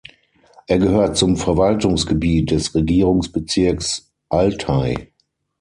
Er gehört zum Verwaltungsgebiet des Regierungsbezirks Altay.